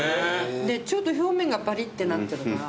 でちょっと表面がぱりってなってるから。